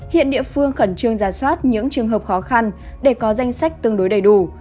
hiện địa phương khẩn trương ra soát những trường hợp khó khăn để có danh sách tương đối đầy đủ